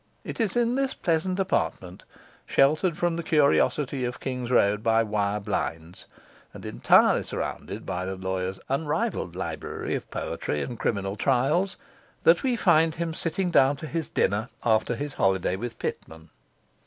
It is in this pleasant apartment, sheltered from the curiosity of King's Road by wire blinds, and entirely surrounded by the lawyer's unrivalled library of poetry and criminal trials, that we find him sitting down to his dinner after his holiday with Pitman.